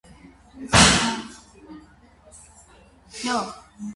Դասակարգումը և կլաստերային անալիզը օրինաչափությունների ճանաչման առավել հայտնի ձևեր են։